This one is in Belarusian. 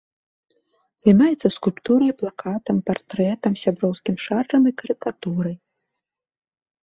Займаецца скульптурай і плакатам, партрэтам, сяброўскім шаржам і карыкатурай.